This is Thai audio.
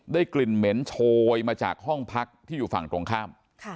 กลิ่นเหม็นโชยมาจากห้องพักที่อยู่ฝั่งตรงข้าม